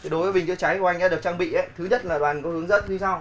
đối với bình dễ cháy của anh được trang bị thứ nhất là đoàn có hướng dẫn như sau